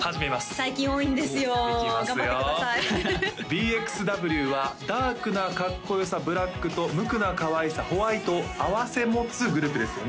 最近多いんですよ頑張ってくださいＢＸＷはダークなかっこよさブラックと無垢なかわいさホワイトを併せ持つグループですよね